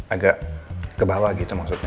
agak kebawa gitu maksudnya